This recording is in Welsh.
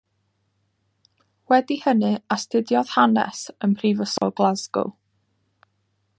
Wedi hynny astudiodd Hanes ym Mhrifysgol Glasgow.